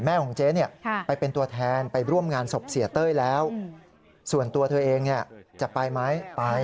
แม่ของเจ๋เนี่ยไปเป็นตัวแทนไปร่วมงานสกศิลป์เสียเต้ยแล้วส่วนตัวเธอเองจะไปไหม